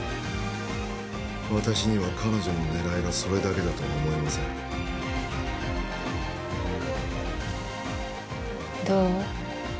私には彼女の狙いがそれだけだとは思えませんどう？